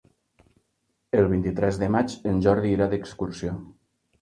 El vint-i-tres de maig en Jordi irà d'excursió.